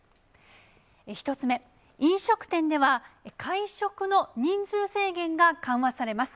１つ目、飲食店では会食の人数制限が緩和されます。